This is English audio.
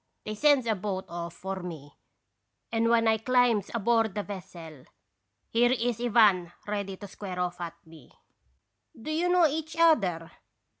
They sends a boat off for me, and when I climbs aboard the vessel, here is Ivan ready to square off at me. " 'Do you know each other?'